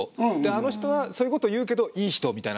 あの人はそういうこと言うけどいい人みたいな。